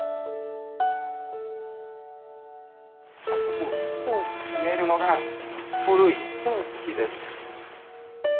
あそこ見えるのが古い木です。